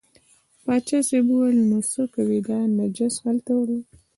پاچا صاحب وویل نو څه کوې دا نجس هلته وړې.